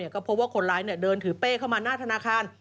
ก็พบว่าคนร้ายเดินถือเป้เข้ามาหน้าธนาคาร